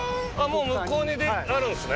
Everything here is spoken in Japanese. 向こうにあるんですね？